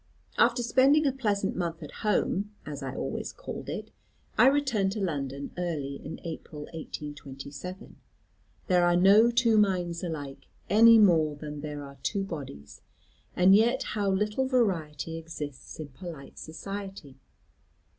After spending a pleasant month at home as I always called it I returned to London early in April, 1827. There are no two minds alike, any more than there are two bodies; and yet how little variety exists in polite society!